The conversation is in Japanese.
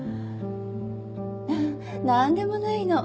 何でもないの。